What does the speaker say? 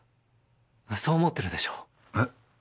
そう思ってるでしょう？え？